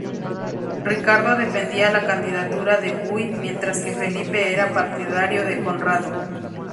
Ricardo defendía la candidatura de Guy, mientras que Felipe era partidario de Conrado.